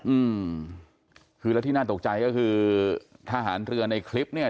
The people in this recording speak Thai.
อืมคือแล้วที่น่าตกใจก็คือทหารเรือในคลิปเนี้ย